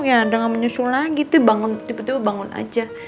udah ga menyusu lagi tuh bangun tiba tiba bangun aja